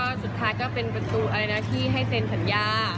สุดท้ายก็เป็นประตูที่ให้เซ็นสัญญา